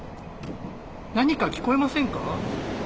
何か聞こえませんか？